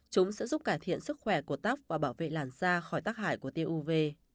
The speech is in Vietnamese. chúng sẽ giúp cải thiện sức khỏe của tóc và bảo vệ làn da khỏi tác hại của tiêu uv